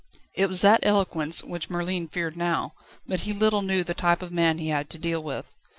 It was that eloquence which Merlin feared now; but he little knew the type of man he had to deal with.